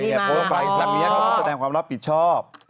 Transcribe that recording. เพราะเขาแสดงความรับผิดชอบ